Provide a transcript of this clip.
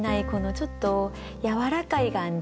ちょっとやわらかい感じ。